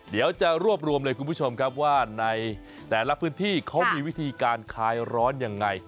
เดี๋ยวจะรวบรวมเลยคุณผู้ชมครับว่าในแต่ละพื้นที่เขามีวิธีการคลายร้อนยังไง